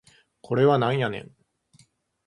これはなんやねん